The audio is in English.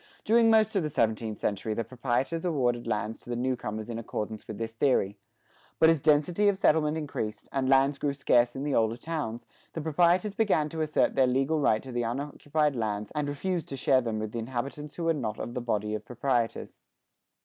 During most of the seventeenth century the proprietors awarded lands to the new comers in accordance with this theory. But as density of settlement increased, and lands grew scarce in the older towns, the proprietors began to assert their legal right to the unoccupied lands and to refuse to share them with inhabitants who were not of the body of proprietors.